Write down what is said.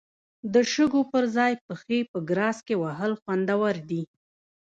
د شګو پر ځای پښې په ګراس کې وهل خوندور دي.